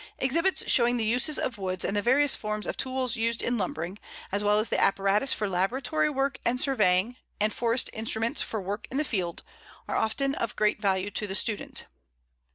Exhibits showing the uses of woods and the various forms of tools used in lumbering, as well as the apparatus for laboratory work and surveying, and forest instruments for work in the field, are often of great value to the student.